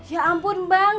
ya ampun bang